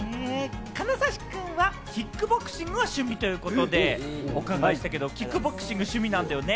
金指くんはキックボクシングが趣味ということで、お伺いしたけれど、キックボクシング趣味なんだよね。